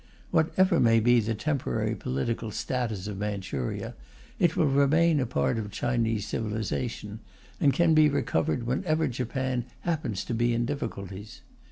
Whatever may be the temporary political status of Manchuria, it will remain a part of Chinese civilization, and can be recovered whenever Japan happens to be in difficulties.